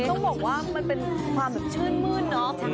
ต้องบอกว่ามันเป็นความชื่นมืดนะ